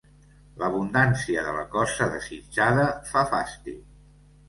L'abundància de la cosa desitjada fa fastig.